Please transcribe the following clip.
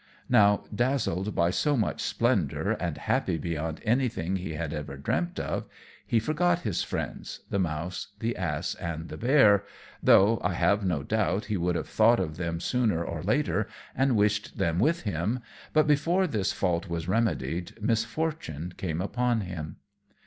Now, dazzled by so much splendour, and happy beyond anything he had ever dreamt of, he forgot his friends, the Mouse, the Ass, and the Bear, though, I have no doubt, he would have thought of them sooner or later and wished them with him; but before this fault was remedied misfortune came upon him.